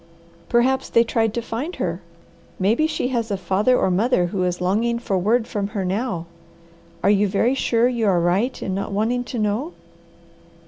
"Perhaps they tried to find her. Maybe she has a father or mother who is longing for word from her now. Are you very sure you are right in not wanting to know?"